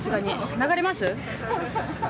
流れます？